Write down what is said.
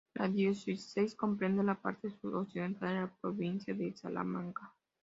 La diócesis comprende la parte sud-occidental de la provincia de Salamanca.